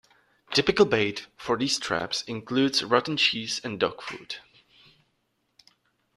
Typical bait for these traps includes rotten cheese and dog food.